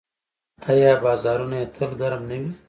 آیا بازارونه یې تل ګرم نه وي؟